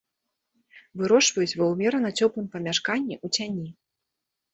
Вырошчваюць ва ўмерана цёплым памяшканні ў цяні.